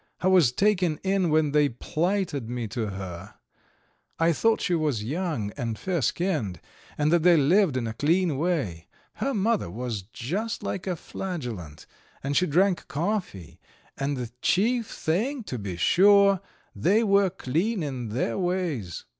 I was taken in when they plighted me to her. I thought she was young and fair skinned, and that they lived in a clean way. Her mother was just like a Flagellant and she drank coffee, and the chief thing, to be sure, they were clean in their ways.